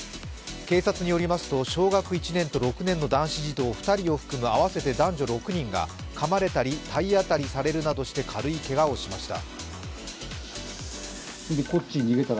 警察によりますと、小学１年と６年の男子児童２人を含む合わせて男女６人がかまれたり体当たりされるなどして軽いけがをしました。